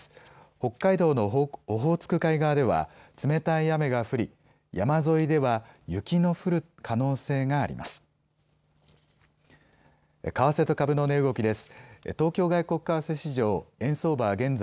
北海道のオホーツク海側では冷たい雨が降り山沿いでは雪の降る可能性があります。